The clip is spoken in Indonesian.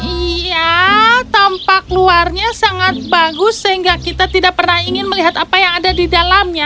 iya tampak luarnya sangat bagus sehingga kita tidak pernah ingin melihat apa yang ada di dalamnya